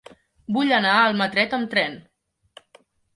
Vull anar a Almatret amb tren.